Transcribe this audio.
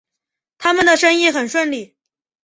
他们的生意很顺利